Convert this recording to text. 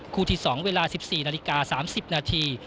คู่ที่สองเวลา๑๔นาฬิกา๓๐นาที